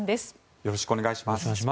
よろしくお願いします。